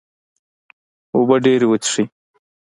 اوبه ډیرې وڅښئ